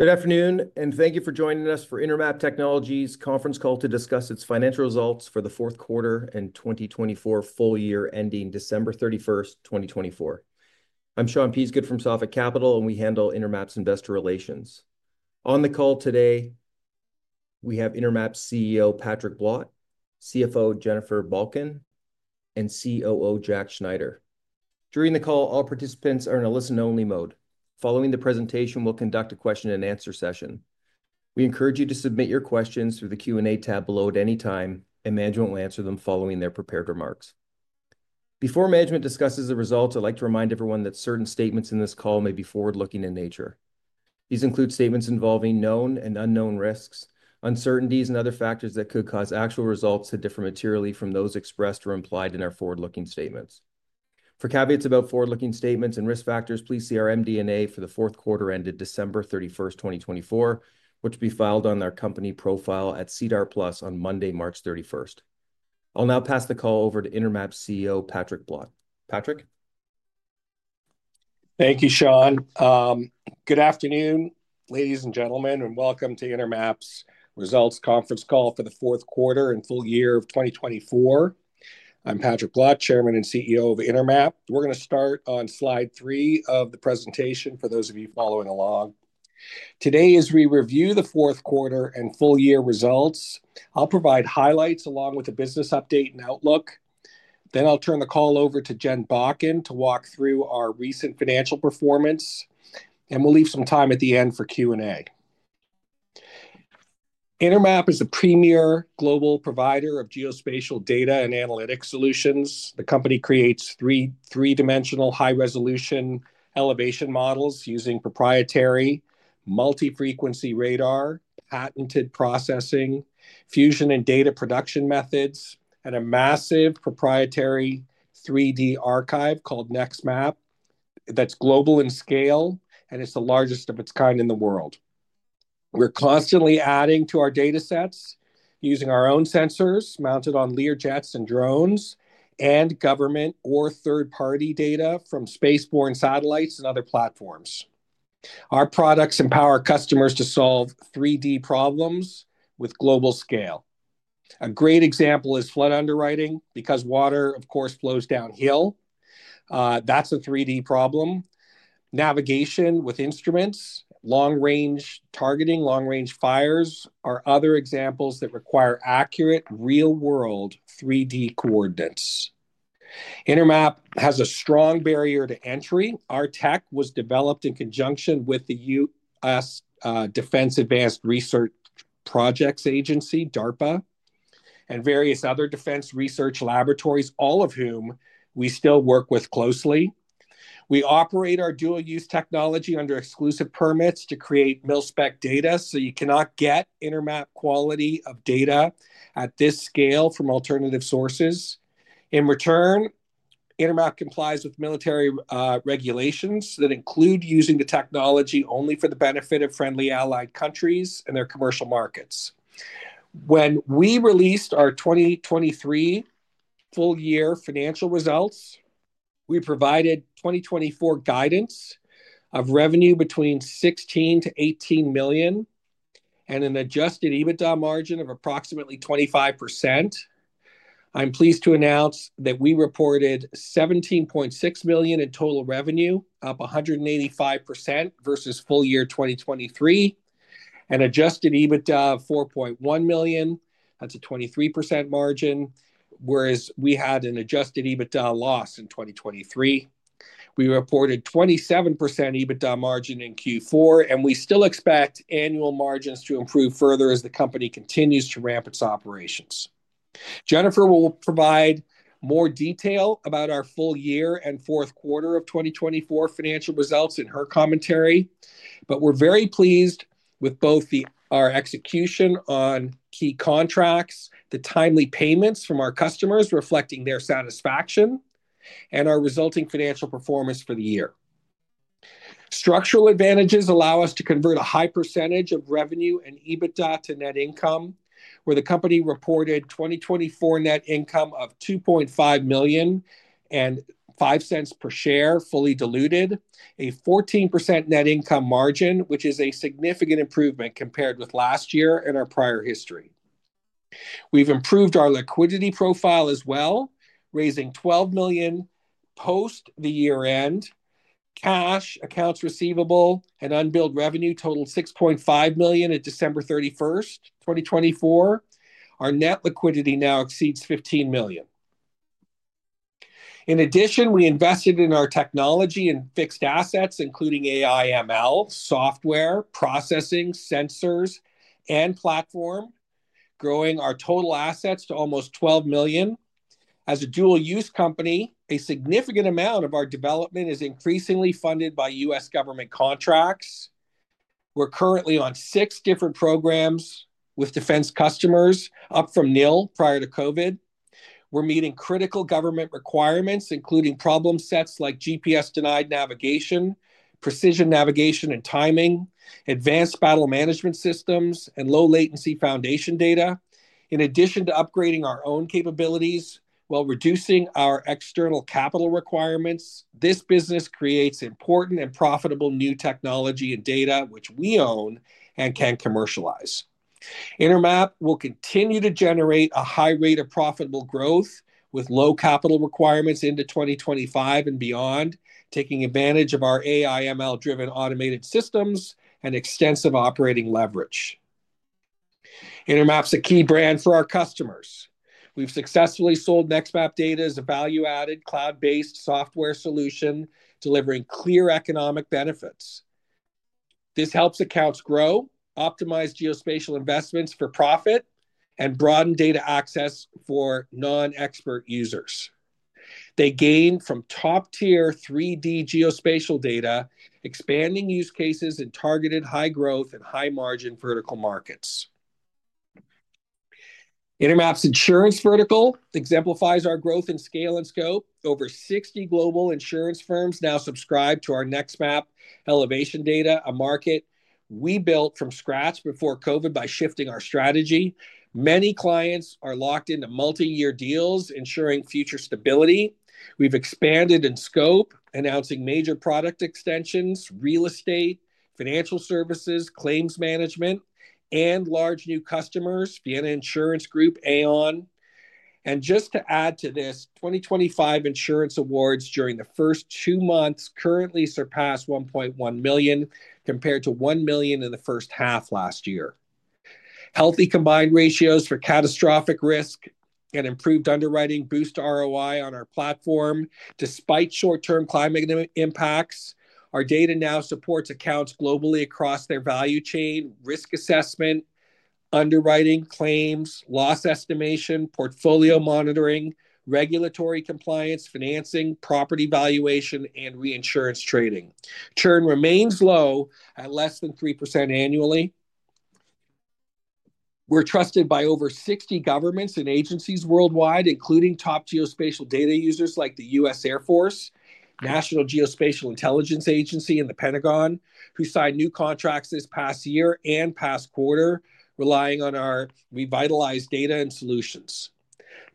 Good afternoon, and thank you for joining us for Intermap Technologies' conference call to discuss its financial results for the fourth quarter and 2024 full year ending December 31, 2024. I'm Sean Peasgood from Sophic Capital, and we handle Intermap's investor relations. On the call today, we have Intermap's CEO Patrick Blott, CFO Jennifer BaKken, and COO Jack Schneider. During the call, all participants are in a listen-only mode. Following the presentation, we'll conduct a question-and-answer session. We encourage you to submit your questions through the Q&A tab below at any time, and management will answer them following their prepared remarks. Before management discusses the results, I'd like to remind everyone that certain statements in this call may be forward-looking in nature. These include statements involving known and unknown risks, uncertainties, and other factors that could cause actual results to differ materially from those expressed or implied in our forward-looking statements. For caveats about forward-looking statements and risk factors, please see our MD&A for the fourth quarter ended December 31, 2024, which will be filed on our company profile at SEDAR+ on Monday, March 31st. I'll now pass the call over to Intermap's CEO, Patrick Blott. Patrick? Thank you, Sean. Good afternoon, ladies and gentlemen, and welcome to Intermap's results conference call for the fourth quarter and full year of 2024. I'm Patrick Blott, Chairman and CEO of Intermap. We're going to start on slide three of the presentation for those of you following along. Today, as we review the fourth quarter and full year results, I'll provide highlights along with a business update and outlook. I will turn the call over to Jen Bakken to walk through our recent financial performance, and we'll leave some time at the end for Q&A. Intermap is a premier global provider of geospatial data and analytic solutions. The company creates three-dimensional high-resolution elevation models using proprietary multi-frequency radar, patented processing, fusion and data production methods, and a massive proprietary 3D archive called NextMap that's global in scale, and it's the largest of its kind in the world. We're constantly adding to our data sets using our own sensors mounted on Learjets and drones and government or third-party data from spaceborne satellites and other platforms. Our products empower customers to solve 3D problems with global scale. A great example is flood underwriting because water, of course, flows downhill. That's a 3D problem. Navigation with instruments, long-range targeting, long-range fires are other examples that require accurate real-world 3D coordinates. Intermap has a strong barrier to entry. Our tech was developed in conjunction with the U.S. Defense Advanced Research Projects Agency, DARPA, and various other defense research laboratories, all of whom we still work with closely. We operate our dual-use technology under exclusive permits to create mil-spec data, so you cannot get Intermap quality of data at this scale from alternative sources. In return, Intermap complies with military regulations that include using the technology only for the benefit of friendly allied countries and their commercial markets. When we released our 2023 full year financial results, we provided 2024 guidance of revenue between $16-$18 million and an adjusted EBITDA margin of approximately 25%. I'm pleased to announce that we reported $17.6 million in total revenue, up 185% versus full year 2023, and adjusted EBITDA of $4.1 million. That's a 23% margin, whereas we had an adjusted EBITDA loss in 2023. We reported 27% EBITDA margin in Q4, and we still expect annual margins to improve further as the company continues to ramp its operations. Jennifer will provide more detail about our full year and fourth quarter of 2024 financial results in her commentary, but we're very pleased with both our execution on key contracts, the timely payments from our customers reflecting their satisfaction, and our resulting financial performance for the year. Structural advantages allow us to convert a high percentage of revenue and EBITDA to net income, where the company reported 2024 net income of $2.5 million and $0.05 per share fully diluted, a 14% net income margin, which is a significant improvement compared with last year and our prior history. We've improved our liquidity profile as well, raising 12 million post the year-end. Cash, accounts receivable, and unbilled revenue totaled $6.5 million at December 31, 2024. Our net liquidity now exceeds $15 million. In addition, we invested in our technology and fixed assets, including AI/ML, software, processing, sensors, and platform, growing our total assets to almost $12 million. As a dual-use company, a significant amount of our development is increasingly funded by U.S. government contracts. We're currently on six different programs with defense customers, up from nil prior to COVID. We're meeting critical government requirements, including problem sets like GPS-denied navigation, precision navigation and timing, advanced battle management systems, and low-latency foundation data. In addition to upgrading our own capabilities while reducing our external capital requirements, this business creates important and profitable new technology and data, which we own and can commercialize. Intermap will continue to generate a high rate of profitable growth with low capital requirements into 2025 and beyond, taking advantage of our AI/ML-driven automated systems and extensive operating leverage. Intermap's a key brand for our customers. We've successfully sold NextMap data as a value-added cloud-based software solution, delivering clear economic benefits. This helps accounts grow, optimize geospatial investments for profit, and broaden data access for non-expert users. They gain from top-tier 3D geospatial data, expanding use cases in targeted high-growth and high-margin vertical markets. Intermap's insurance vertical exemplifies our growth in scale and scope. Over 60 global insurance firms now subscribe to our NextMap elevation data, a market we built from scratch before COVID by shifting our strategy. Many clients are locked into multi-year deals, ensuring future stability. We've expanded in scope, announcing major product extensions, real estate, financial services, claims management, and large new customers, Vienna Insurance Group, Aon. Just to add to this, 2025 insurance awards during the first two months currently surpass $1.1 million compared to $1 million in the first half last year. Healthy combined ratios for catastrophic risk and improved underwriting boost ROI on our platform. Despite short-term climate impacts, our data now supports accounts globally across their value chain, risk assessment, underwriting, claims, loss estimation, portfolio monitoring, regulatory compliance, financing, property valuation, and reinsurance trading. Churn remains low at less than 3% annually. We're trusted by over 60 governments and agencies worldwide, including top geospatial data users like the U.S. Air Force, National Geospatial Intelligence Agency, and the Pentagon, who signed new contracts this past year and past quarter, relying on our revitalized data and solutions.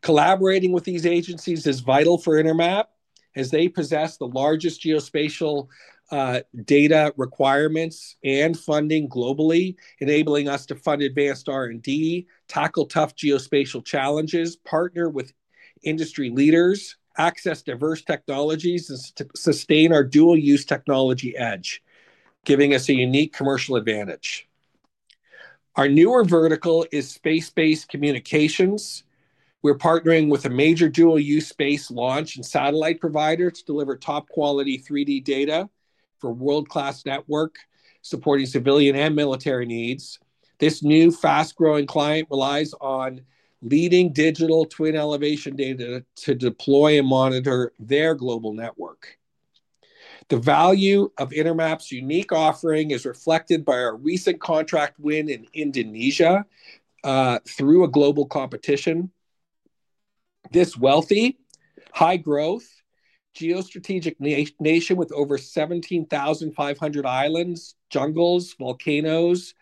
Collaborating with these agencies is vital for Intermap, as they possess the largest geospatial data requirements and funding globally, enabling us to fund advanced R&D, tackle tough geospatial challenges, partner with industry leaders, access diverse technologies, and sustain our dual-use technology edge, giving us a unique commercial advantage. Our newer vertical is space-based communications. We're partnering with a major dual-use space launch and satellite provider to deliver top-quality 3D data for world-class network supporting civilian and military needs. This new fast-growing client relies on leading digital twin elevation data to deploy and monitor their global network. The value of Intermap's unique offering is reflected by our recent contract win in Indonesia through a global competition. This wealthy, high-growth, geostrategic nation with over 17,500 islands, jungles, volcanoes,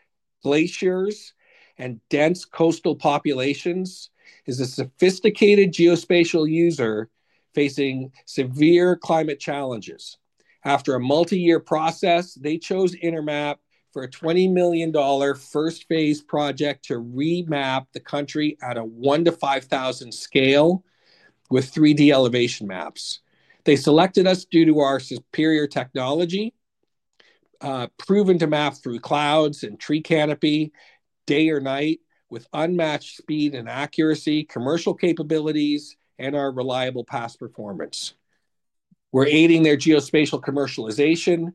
glaciers, and dense coastal populations is a sophisticated geospatial user facing severe climate challenges. After a multi-year process, they chose Intermap for a $20 million first phase project to remap the country at a 1 to 5,000 scale with 3D elevation maps. They selected us due to our superior technology, proven to map through clouds and tree canopy day or night, with unmatched speed and accuracy, commercial capabilities, and our reliable past performance. We're aiding their geospatial commercialization,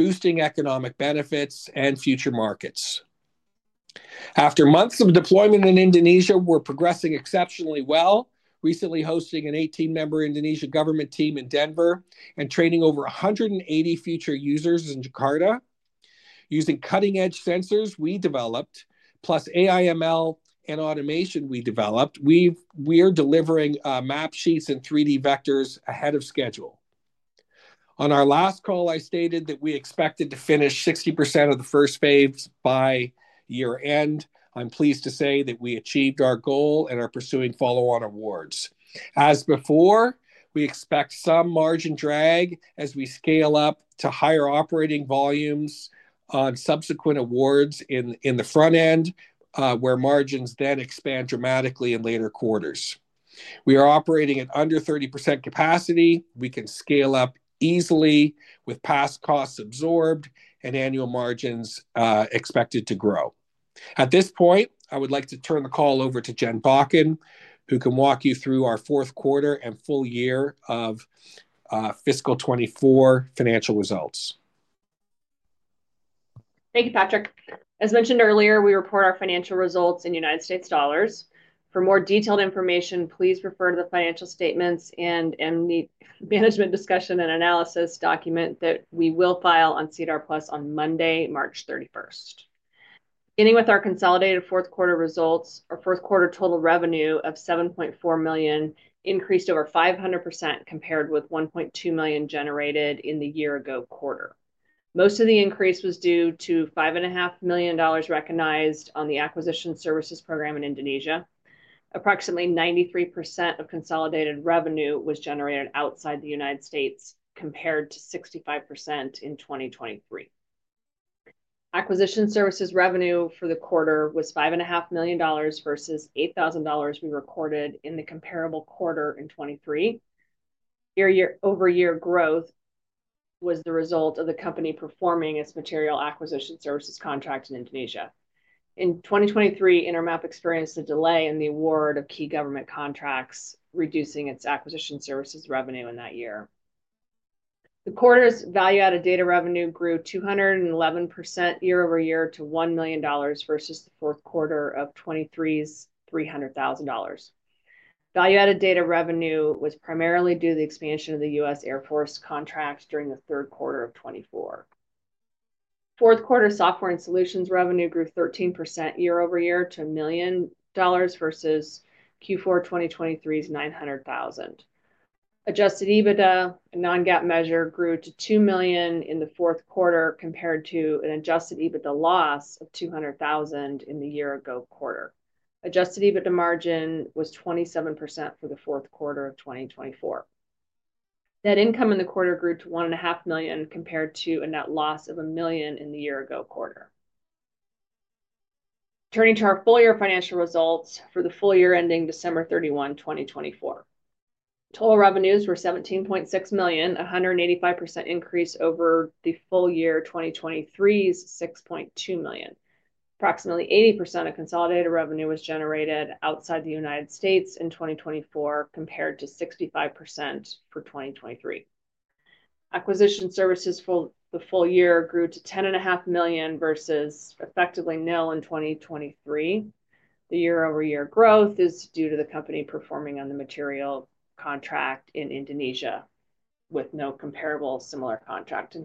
boosting economic benefits and future markets. After months of deployment in Indonesia, we're progressing exceptionally well, recently hosting an 18-member Indonesian government team in Denver and training over 180 future users in Jakarta. Using cutting-edge sensors we developed, plus AI/ML and automation we developed, we are delivering map sheets and 3D vectors ahead of schedule. On our last call, I stated that we expected to finish 60% of the first phase by year-end. I'm pleased to say that we achieved our goal and are pursuing follow-on awards. As before, we expect some margin drag as we scale up to higher operating volumes on subsequent awards in the front end, where margins then expand dramatically in later quarters. We are operating at under 30% capacity. We can scale up easily with past costs absorbed and annual margins expected to grow. At this point, I would like to turn the call over to Jennifer Bakken, who can walk you through our fourth quarter and full year of fiscal 2024 financial results. Thank you, Patrick. As mentioned earlier, we report our financial results in United States dollars. For more detailed information, please refer to the financial statements and management discussion and analysis document that we will file on SEDAR+ on Monday, March 31st. Beginning with our consolidated fourth quarter results, our fourth quarter total revenue of $7.4 million increased over 500% compared with $1.2 million generated in the year-ago quarter. Most of the increase was due to $5.5 million recognized on the acquisition services program in Indonesia. Approximately 93% of consolidated revenue was generated outside the United States compared to 65% in 2023. Acquisition services revenue for the quarter was $5.5 million versus $8,000 we recorded in the comparable quarter in 2023. Year-over-year growth was the result of the company performing its material acquisition services contract in Indonesia. In 2023, Intermap experienced a delay in the award of key government contracts, reducing its acquisition services revenue in that year. The quarter's value-added data revenue grew 211% year-over-year to $1 million versus the fourth quarter of 2023's $300,000. Value-added data revenue was primarily due to the expansion of the U.S. Air Force contract during the third quarter of 2024. Fourth quarter software and solutions revenue grew 13% year-over-year to $1 million versus Q4 2023's $900,000. Adjusted EBITDA, a non-GAAP measure, grew to $2 million in the fourth quarter compared to an adjusted EBITDA loss of $200,000 in the year-ago quarter. Adjusted EBITDA margin was 27% for the fourth quarter of 2024. Net income in the quarter grew to $1.5 million compared to a net loss of $1 million in the year-ago quarter. Turning to our full year financial results for the full year ending December 31, 2024. Total revenues were $17.6 million, a 185% increase over the full year 2023's $6.2 million. Approximately 80% of consolidated revenue was generated outside the United States in 2024 compared to 65% for 2023. Acquisition services for the full year grew to $10.5 million versus effectively nil in 2023. The year-over-year growth is due to the company performing on the material contract in Indonesia with no comparable similar contract in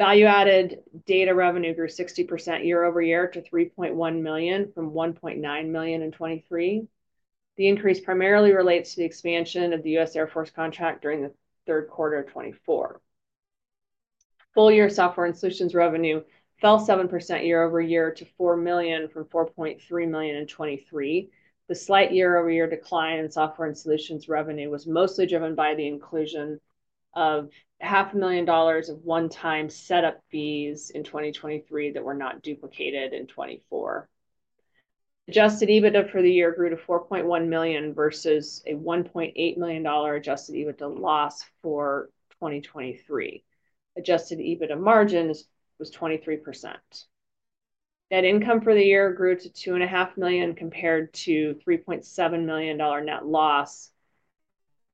2023. Value-added data revenue grew 60% year-over-year to $3.1 million from $1.9 million in 2023. The increase primarily relates to the expansion of the U.S. Air Force contract during the third quarter of 2024. Full year software and solutions revenue fell 7% year-over-year to $4 million from $4.3 million in 2023. The slight year-over-year decline in software and solutions revenue was mostly driven by the inclusion of $500,000 of one-time setup fees in 2023 that were not duplicated in 2024. Adjusted EBITDA for the year grew to $4.1 million versus a $1.8 million adjusted EBITDA loss for 2023. Adjusted EBITDA margins was 23%. Net income for the year grew to $2.5 million compared to $3.7 million net loss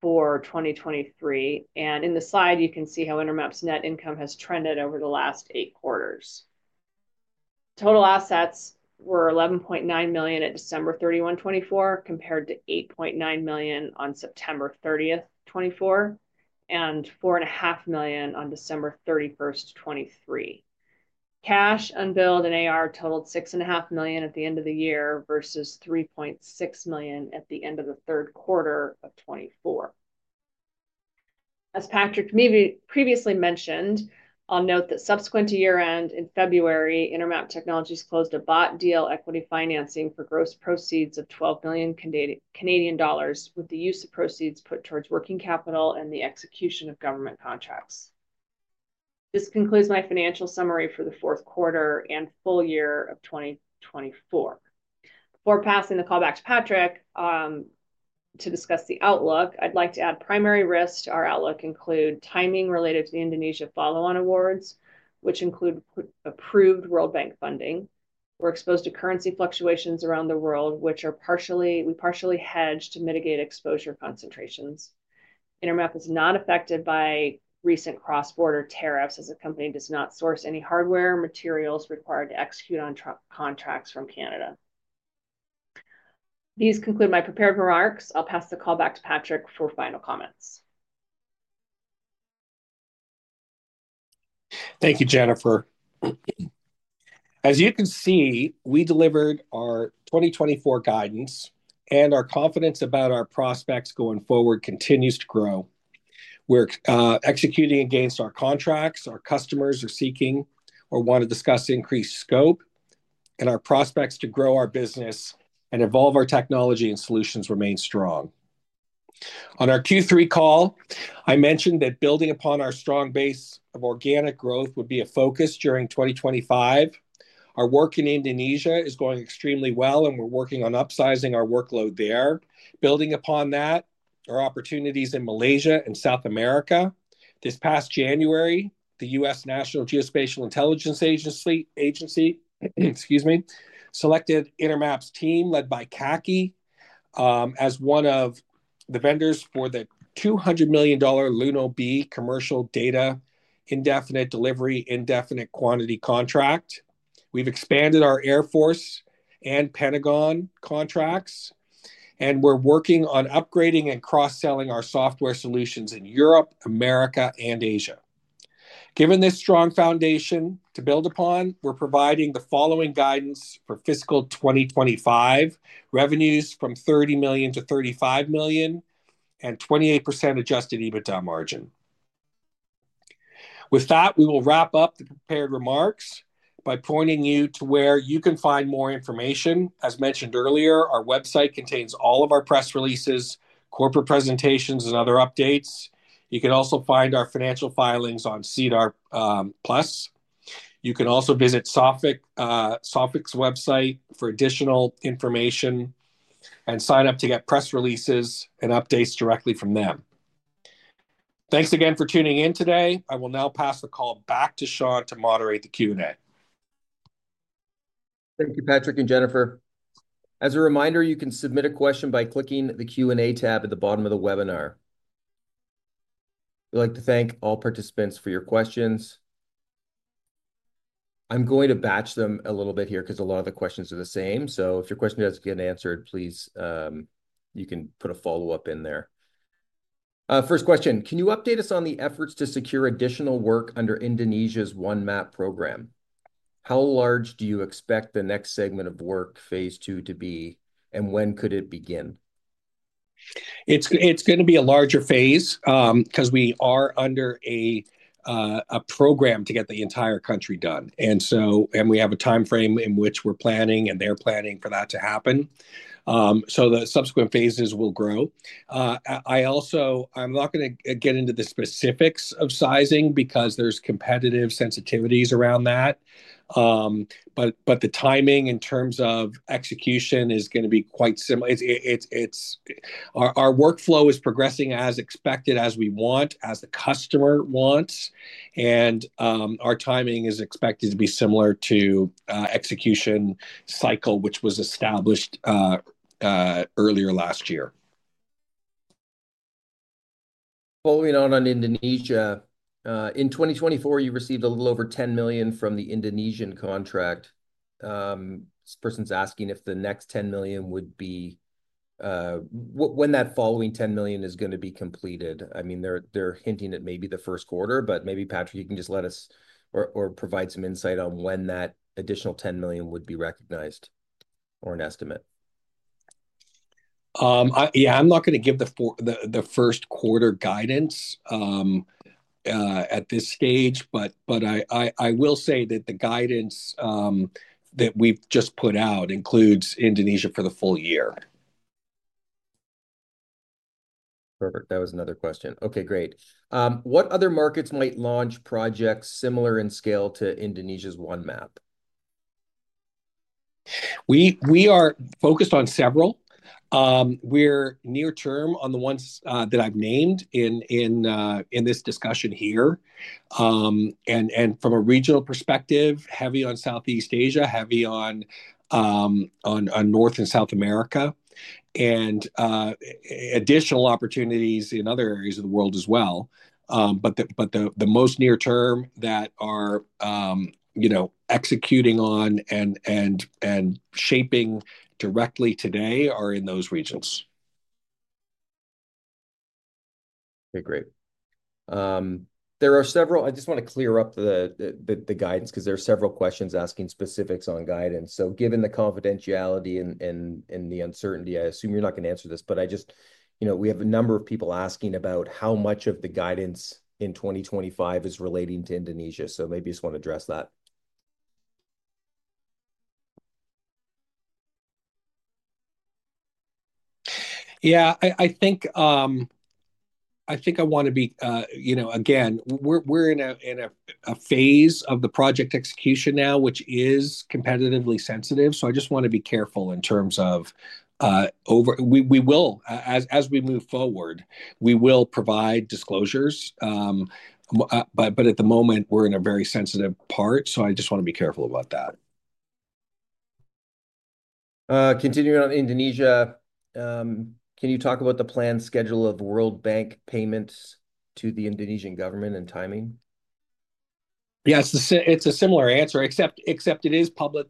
for 2023. In the slide, you can see how Intermap's net income has trended over the last eight quarters. Total assets were $11.9 million at December 31, 2024, compared to $8.9 million on September 30, 2024, and $4.5 million on December 31, 2023. Cash, unbilled, and AR totaled $6.5 million at the end of the year versus $3.6 million at the end of the third quarter of 2024. As Patrick previously mentioned, I'll note that subsequent to year-end in February, Intermap Technologies closed a bought deal equity financing for gross proceeds of 12 million Canadian dollars with the use of proceeds put towards working capital and the execution of government contracts. This concludes my financial summary for the fourth quarter and full year of 2024. Before passing the call back to Patrick to discuss the outlook, I'd like to add primary risks to our outlook include timing related to the Indonesia follow-on awards, which include approved World Bank funding. We're exposed to currency fluctuations around the world, which we partially hedge to mitigate exposure concentrations. Intermap is not affected by recent cross-border tariffs as the company does not source any hardware materials required to execute on contracts from Canada. These conclude my prepared remarks. I'll pass the call back to Patrick for final comments. Thank you, Jennifer. As you can see, we delivered our 2024 guidance, and our confidence about our prospects going forward continues to grow. We're executing against our contracts. Our customers are seeking or want to discuss increased scope, and our prospects to grow our business and evolve our technology and solutions remain strong. On our Q3 call, I mentioned that building upon our strong base of organic growth would be a focus during 2025. Our work in Indonesia is going extremely well, and we're working on upsizing our workload there. Building upon that, our opportunities in Malaysia and South America. This past January, the U.S. National Geospatial Intelligence Agency selected Intermap's team led by KBR as one of the vendors for the $200 million LUNO B commercial data indefinite delivery indefinite quantity contract. We've expanded our Air Force and Pentagon contracts, and we're working on upgrading and cross-selling our software solutions in Europe, America, and Asia. Given this strong foundation to build upon, we're providing the following guidance for fiscal 2025: revenues from $30 million-$35 million and 28% adjusted EBITDA margin. With that, we will wrap up the prepared remarks by pointing you to where you can find more information. As mentioned earlier, our website contains all of our press releases, corporate presentations, and other updates. You can also find our financial filings on SEDAR Plus. You can also visit Sophic Capital's website for additional information and sign up to get press releases and updates directly from them. Thanks again for tuning in today. I will now pass the call back to Sean to moderate the Q&A. Thank you, Patrick and Jennifer. As a reminder, you can submit a question by clicking the Q&A tab at the bottom of the webinar. We'd like to thank all participants for your questions. I'm going to batch them a little bit here because a lot of the questions are the same. If your question doesn't get answered, please you can put a follow-up in there. First question, can you update us on the efforts to secure additional work under Indonesia's One Map program? How large do you expect the next segment of work, phase two, to be, and when could it begin? It's going to be a larger phase because we are under a program to get the entire country done. We have a timeframe in which we're planning and they're planning for that to happen. The subsequent phases will grow. I'm not going to get into the specifics of sizing because there's competitive sensitivities around that. The timing in terms of execution is going to be quite similar. Our workflow is progressing as expected, as we want, as the customer wants. Our timing is expected to be similar to the execution cycle, which was established earlier last year. Following on on Indonesia, in 2024, you received a little over $10 million from the Indonesian contract. This person's asking if the next $10 million would be when that following $10 million is going to be completed. I mean, they're hinting at maybe the first quarter, but maybe, Patrick, you can just let us or provide some insight on when that additional $10 million would be recognized or an estimate. Yeah, I'm not going to give the first quarter guidance at this stage, but I will say that the guidance that we've just put out includes Indonesia for the full year. Perfect. That was another question. Okay, great. What other markets might launch projects similar in scale to Indonesia's One Map? We are focused on several. We're near-term on the ones that I've named in this discussion here. From a regional perspective, heavy on Southeast Asia, heavy on North and South America, and additional opportunities in other areas of the world as well. The most near-term that are executing on and shaping directly today are in those regions. Okay, great. There are several, I just want to clear up the guidance because there are several questions asking specifics on guidance. Given the confidentiality and the uncertainty, I assume you're not going to answer this, but we have a number of people asking about how much of the guidance in 2025 is relating to Indonesia. Maybe you just want to address that. Yeah, I think I want to be, again, we're in a phase of the project execution now, which is competitively sensitive. I just want to be careful in terms of we will, as we move forward, we will provide disclosures. At the moment, we're in a very sensitive part. I just want to be careful about that. Continuing on Indonesia, can you talk about the planned schedule of World Bank payments to the Indonesian government and timing? Yeah, it's a similar answer, except it is public,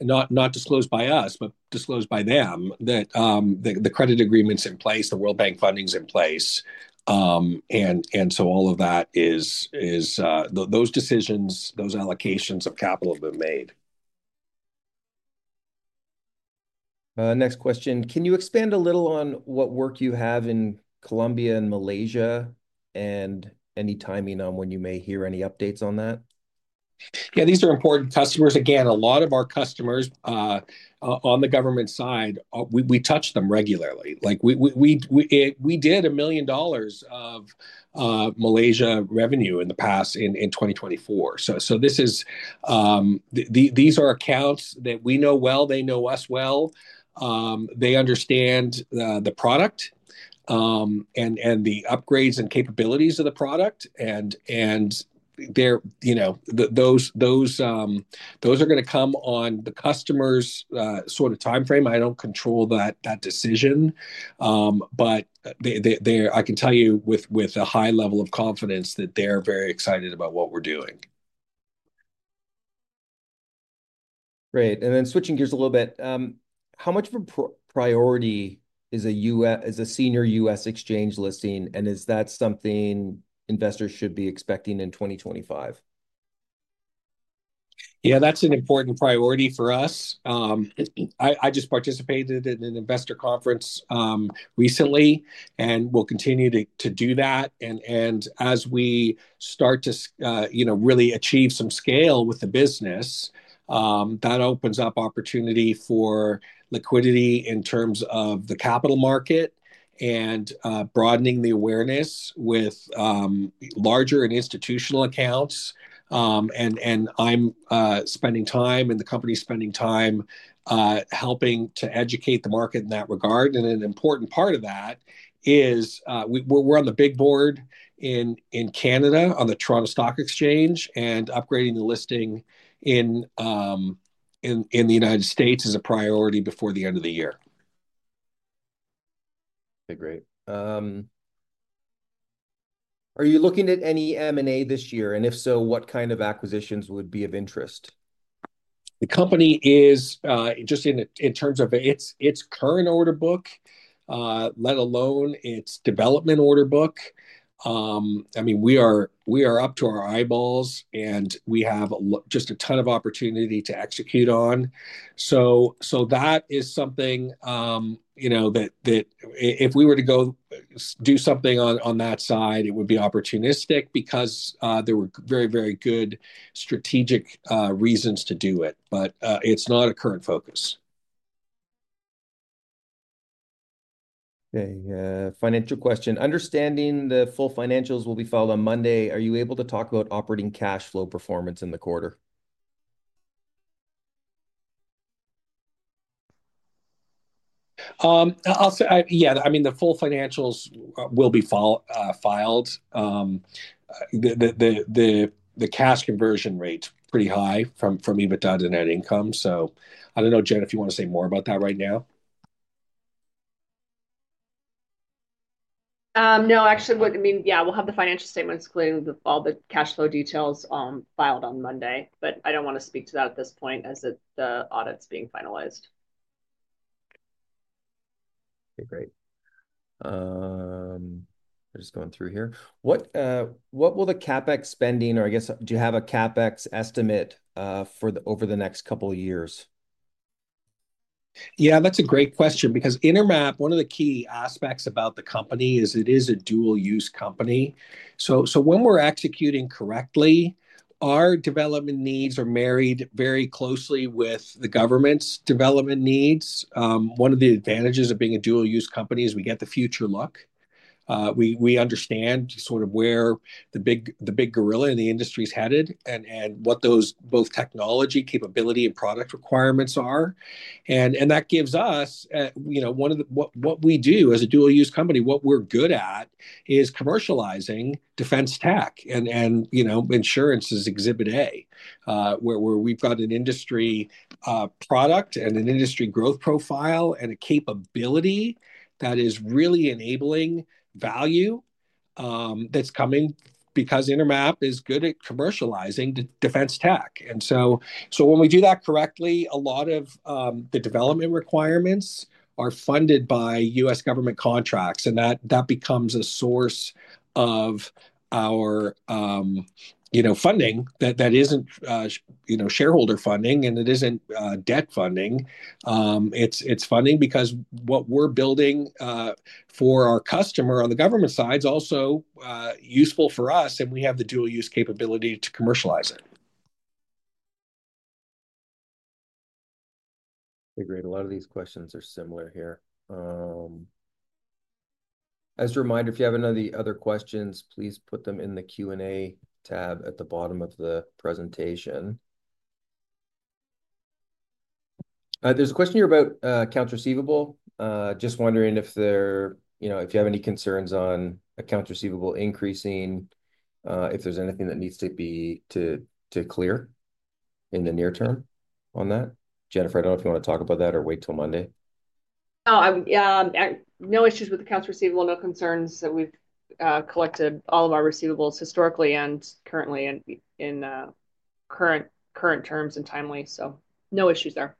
not disclosed by us, but disclosed by them, that the credit agreement's in place, the World Bank funding's in place. All of that is those decisions, those allocations of capital have been made. Next question, can you expand a little on what work you have in Colombia and Malaysia and any timing on when you may hear any updates on that? Yeah, these are important customers. Again, a lot of our customers on the government side, we touch them regularly. We did $1 million of Malaysia revenue in the past in 2024. These are accounts that we know well. They know us well. They understand the product and the upgrades and capabilities of the product. Those are going to come on the customer's sort of timeframe. I don't control that decision. I can tell you with a high level of confidence that they're very excited about what we're doing. Great. Switching gears a little bit, how much of a priority is a senior U.S. exchange listing, and is that something investors should be expecting in 2025? Yeah, that's an important priority for us. I just participated in an investor conference recently and will continue to do that. As we start to really achieve some scale with the business, that opens up opportunity for liquidity in terms of the capital market and broadening the awareness with larger and institutional accounts. I'm spending time and the company's spending time helping to educate the market in that regard. An important part of that is we're on the big board in Canada on the Toronto Stock Exchange, and upgrading the listing in the United States is a priority before the end of the year. Okay, great. Are you looking at any M&A this year? If so, what kind of acquisitions would be of interest? The company is just in terms of its current order book, let alone its development order book. I mean, we are up to our eyeballs, and we have just a ton of opportunity to execute on. That is something that if we were to go do something on that side, it would be opportunistic because there were very, very good strategic reasons to do it. It is not a current focus. Okay. Financial question. Understanding the full financials will be filed on Monday. Are you able to talk about operating cash flow performance in the quarter? Yeah. I mean, the full financials will be filed. The cash conversion rate is pretty high from EBITDA to net income. I don't know, Jennifer, if you want to say more about that right now. No, actually, I mean, yeah, we'll have the financial statements including all the cash flow details filed on Monday. I don't want to speak to that at this point as the audit's being finalized. Okay, great. Just going through here. What will the CapEx spending or I guess, do you have a CapEx estimate over the next couple of years? Yeah, that's a great question because Intermap, one of the key aspects about the company is it is a dual-use company. When we're executing correctly, our development needs are married very closely with the government's development needs. One of the advantages of being a dual-use company is we get the future look. We understand sort of where the big gorilla in the industry is headed and what those both technology, capability, and product requirements are. That gives us what we do as a dual-use company, what we're good at is commercializing defense tech and insurance as Exhibit A, where we've got an industry product and an industry growth profile and a capability that is really enabling value that's coming because Intermap is good at commercializing defense tech. When we do that correctly, a lot of the development requirements are funded by U.S. government contracts. That becomes a source of our funding that is not shareholder funding, and it is not debt funding. It is funding because what we are building for our customer on the government side is also useful for us, and we have the dual-use capability to commercialize it. Okay, great. A lot of these questions are similar here. As a reminder, if you have any other questions, please put them in the Q&A tab at the bottom of the presentation. There is a question here about accounts receivable. Just wondering if you have any concerns on accounts receivable increasing, if there is anything that needs to be cleared in the near term on that. Jennifer, I do not know if you want to talk about that or wait till Monday. Oh, no issues with accounts receivable, no concerns. We've collected all of our receivables historically and currently in current terms and timely. So no issues there.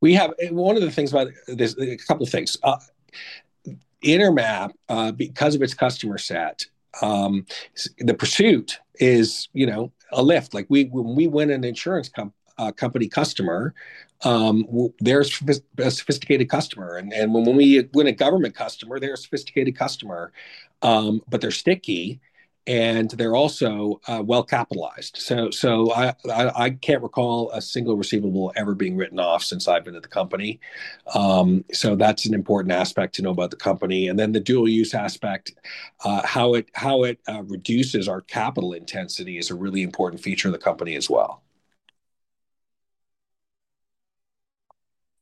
One of the things about a couple of things. Intermap, because of its customer set, the pursuit is a lift. When we win an insurance company customer, they're a sophisticated customer. And when we win a government customer, they're a sophisticated customer, but they're sticky, and they're also well-capitalized. I can't recall a single receivable ever being written off since I've been at the company. That's an important aspect to know about the company. The dual-use aspect, how it reduces our capital intensity, is a really important feature of the company as well.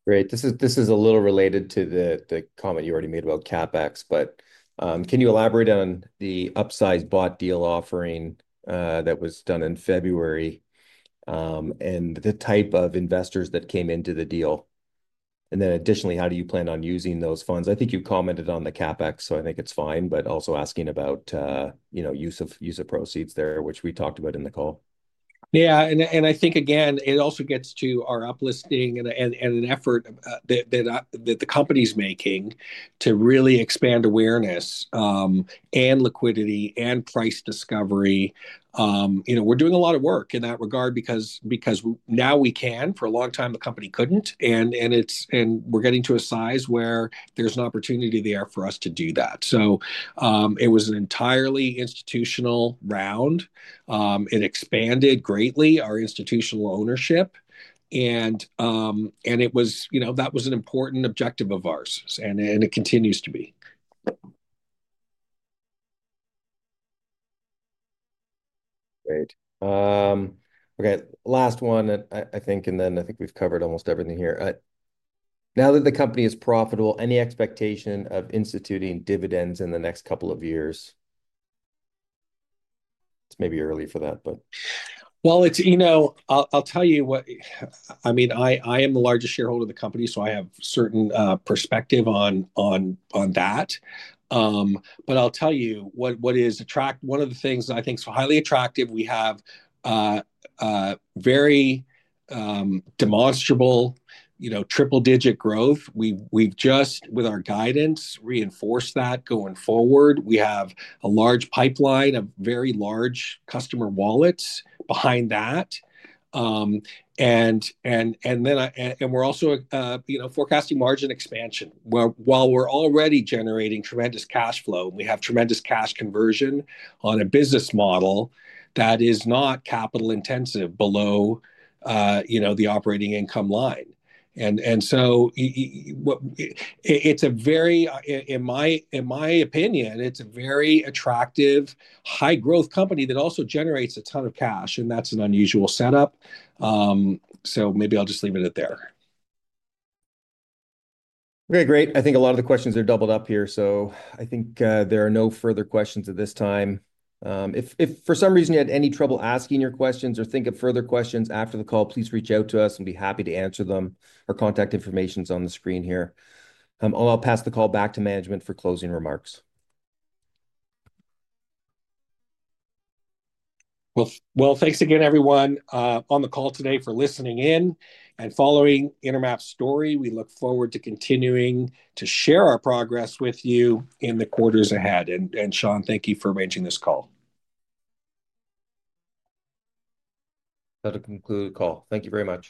Great. This is a little related to the comment you already made about CapEx, but can you elaborate on the upsize bought deal offering that was done in February and the type of investors that came into the deal? Additionally, how do you plan on using those funds? I think you commented on the CapEx, so I think it's fine, but also asking about use of proceeds there, which we talked about in the call. Yeah. I think, again, it also gets to our uplisting and an effort that the company's making to really expand awareness and liquidity and price discovery. We're doing a lot of work in that regard because now we can. For a long time, the company couldn't. We're getting to a size where there's an opportunity there for us to do that. It was an entirely institutional round. It expanded greatly, our institutional ownership. That was an important objective of ours, and it continues to be. Great. Okay. Last one, I think, and then I think we've covered almost everything here. Now that the company is profitable, any expectation of instituting dividends in the next couple of years? It's maybe early for that, but. I mean, I am the largest shareholder of the company, so I have certain perspective on that. I'll tell you what is one of the things I think is highly attractive. We have very demonstrable triple-digit growth. We've just, with our guidance, reinforced that going forward. We have a large pipeline of very large customer wallets behind that. We are also forecasting margin expansion. While we're already generating tremendous cash flow, we have tremendous cash conversion on a business model that is not capital-intensive below the operating income line. In my opinion, it's a very attractive, high-growth company that also generates a ton of cash, and that's an unusual setup. Maybe I'll just leave it at there. Okay, great. I think a lot of the questions are doubled up here. I think there are no further questions at this time. If for some reason you had any trouble asking your questions or think of further questions after the call, please reach out to us. We'll be happy to answer them. Our contact information is on the screen here. I'll pass the call back to management for closing remarks. Thanks again, everyone on the call today for listening in and following Intermap's story. We look forward to continuing to share our progress with you in the quarters ahead. Sean, thank you for arranging this call. That'll conclude the call. Thank you very much.